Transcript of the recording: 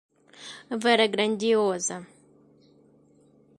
Vere grandioza!